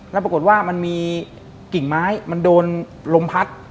แล้วปรากฏว่ามันมีกิ่งไม้มันโดนลมพัด